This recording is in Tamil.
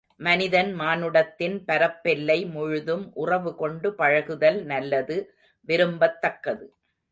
மனிதன் மானுடத்தின் பரப்பெல்லை முழுதும் உறவு கொண்டு பழகுதல் நல்லது விரும்பத்தக்கது.